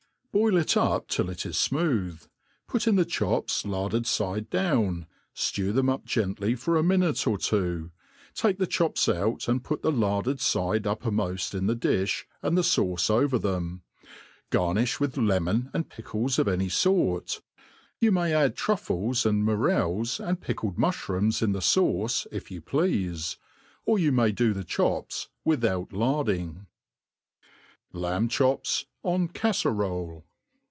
Boil it up till it is fmooth, putjn the chops larded fide down, ftew them up gently for a minute or tv^o ; take the chops out, and put the larded fide up permoft in the difli, and the fauce over them, Garnifh with lemon and pickles of any fort ; you may add truflies and mo rels and pickled mufhrooms in the fauce if you pleafe^ or you piay do the chops without larding. Lamb Chops en Caforole.